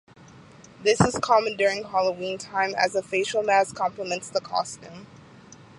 This is common during Halloween time as a facial mask complements the costume.